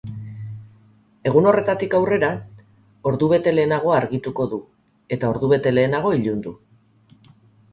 Egun horretatik aurrera, ordubete lehenago argituko du eta ordubete lehenago ilundu.